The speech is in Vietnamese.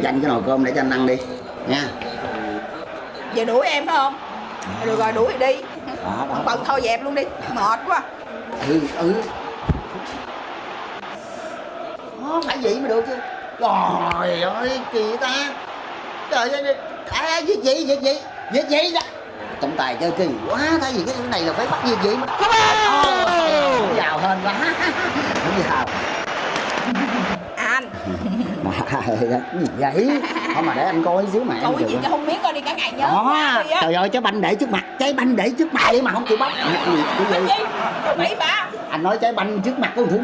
luôn kéo gấp luôn ăn vô ăn vô ăn vô ăn vô ăn vô ăn vô ăn vô ăn vô ăn vô ăn vô ăn vô ăn vô ăn vô ăn vô ăn vô ăn vô ăn vô ăn vô ăn vô